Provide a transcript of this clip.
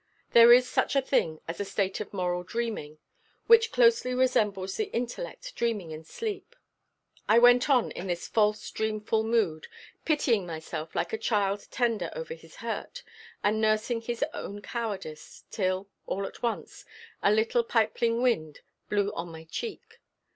There is such a thing as a state of moral dreaming, which closely resembles the intellectual dreaming in sleep. I went on in this false dreamful mood, pitying myself like a child tender over his hurt and nursing his own cowardice, till, all at once, "a little pipling wind" blew on my cheek.